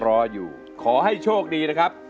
รออยู่ขอให้โชคดีนะครับ